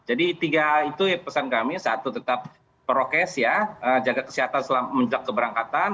jadi tiga itu pesan kami satu tetap berprokes ya jaga kesehatan menjelak keberangkatan